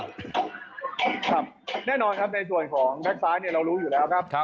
ครับแน่นอนครับในส่วนของแบ็คซ้ายเนี่ยเรารู้อยู่แล้วครับ